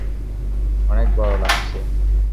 অনেক বড় লাগছে।